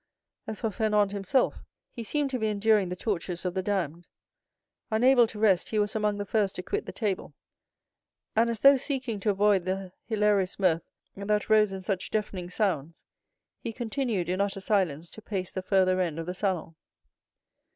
As for Fernand himself, he seemed to be enduring the tortures of the damned; unable to rest, he was among the first to quit the table, and, as though seeking to avoid the hilarious mirth that rose in such deafening sounds, he continued, in utter silence, to pace the farther end of the salon.